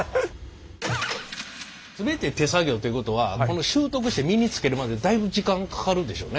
全て手作業ってことは習得して身につけるまでだいぶ時間かかるでしょうね。